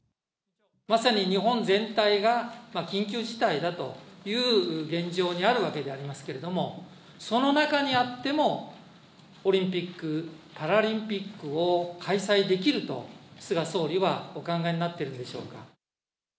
まさに日本全体が緊急事態だという現状にあるわけでありますけれども、その中にあっても、オリンピック・パラリンピックを開催できると、菅総理はお考えになっているんでしょうか。